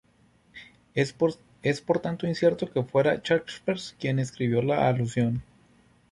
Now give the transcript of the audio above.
Es por tanto incierto que fuera Shakespeare quien escribió la alusión.